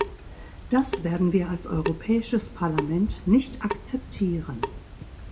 Das werden wir als Europäisches Parlament nicht akzeptieren.